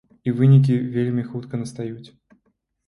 І вынікі вельмі хутка настаюць.